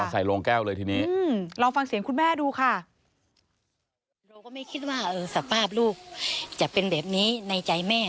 ใส่โรงแก้วเลยทีนี้